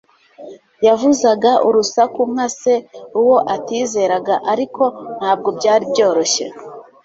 Yavuzaga urusaku nka se uwo atizeraga, ariko ntabwo byari byoroshye.